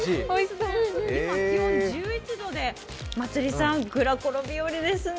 今、気温１１度でまつりさん、グラコロ日和ですね。